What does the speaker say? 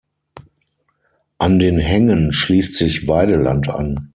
An den Hängen schließt sich Weideland an.